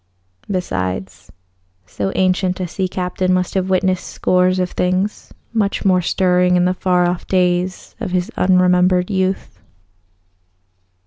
Besides, so ancient a sea captain must have witnessed scores of things much more stirring in the far off days of his unremembered youth.